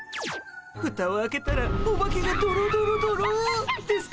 ふたを開けたらオバケがドロドロドロですか？